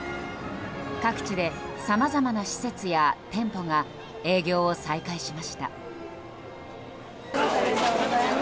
各地で、さまざまな施設や店舗が営業を再開しました。